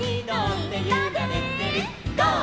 「ゴー！